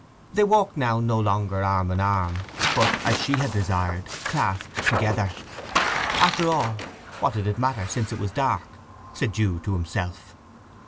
They walked now no longer arm in arm but, as she had desired, clasped together. After all, what did it matter since it was dark, said Jude to himself.